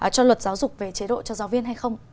cho luật giáo dục về chế độ cho giáo viên hay không